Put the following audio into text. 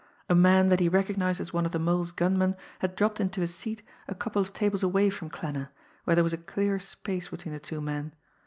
_ A man, that he recognised as one of the Mole's gunmen, had dropped into a seat a couple of tables away from Klanner, where there was a clear space between the two men.